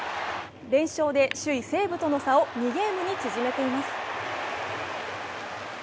連勝で首位西武との差を２ゲームに縮めています。